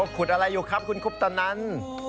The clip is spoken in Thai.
ขุดอะไรอยู่ครับคุณคุปตะนัน